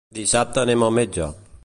Dissabte anem al metge.